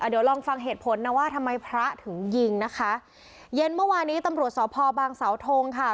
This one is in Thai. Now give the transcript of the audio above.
เดี๋ยวลองฟังเหตุผลนะว่าทำไมพระถึงยิงนะคะเย็นเมื่อวานนี้ตำรวจสพบางสาวทงค่ะ